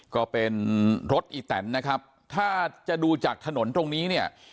ก็เป็นรถอีแตนนะครับถ้าจะดูจากถนนตรงนี้เนี่ย